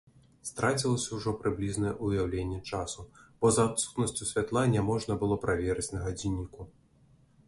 Страцілася ўжо прыблізнае ўяўленне часу, бо за адсутнасцю святла няможна было праверыць на гадзінніку.